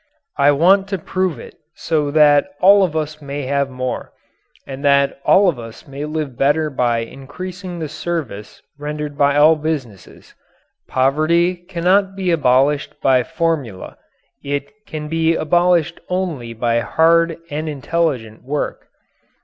I want to prove it so that all of us may have more, and that all of us may live better by increasing the service rendered by all businesses. Poverty cannot be abolished by formula; it can be abolished only by hard and intelligent work.